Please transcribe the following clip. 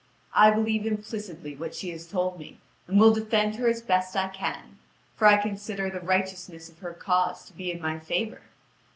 I believe implicitly what she has told me, and will defend her as best I can, for I consider the righteousness of her cause to be in my favour.